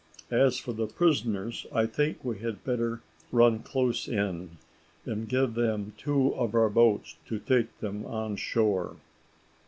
As for the prisoners, I think we had better run close in, and give them two of our boats to take them on shore.